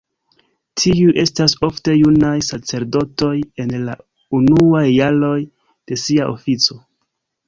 Tiuj estas ofte junaj sacerdotoj en la unuaj jaroj de sia ofico.